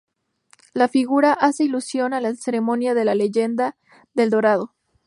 La figura hace alusión a la ceremonia de la leyenda de El Dorado.